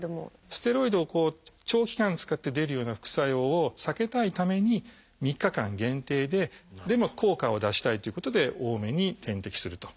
ステロイドを長期間使って出るような副作用を避けたいために３日間限定ででも効果を出したいということで多めに点滴すると。